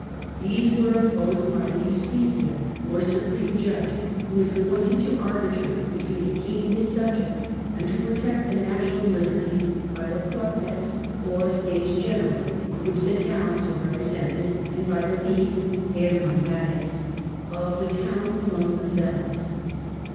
These were imposed by the Justicia, or supreme judge, who was appointed to arbitrate between the king and his subjects and to protect the national liberties, by the Cortes, or States General, in which the towns were repre sented, and by the leagues (hermandades) of the towns among themselves.